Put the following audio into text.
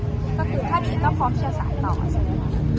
ถ้าดีก็พรองศาสน์ต่อ